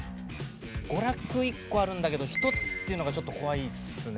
娯楽１個あるんだけど１つっていうのがちょっと怖いっすね。